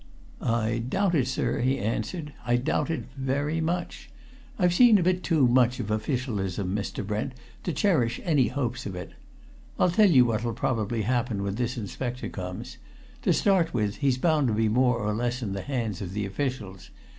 "I doubt it, sir!" he answered. "I doubt it very much. I've seen a bit too much of officialism, Mr. Brent, to cherish any hopes of it. I'll tell you what'll probably happen when this inspector comes. To start with, he's bound to be more or less in the hands of the officials.